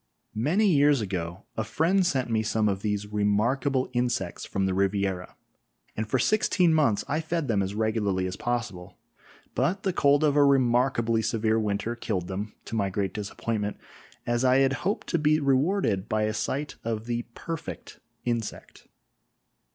Many years ago a friend sent me some of these remarkable insects from the Riviera, and for sixteen months I fed them as regularly as possible, but the cold of a remarkably severe winter killed them, to my great disappointment, as I had hoped to be rewarded by a sight of the perfect insect.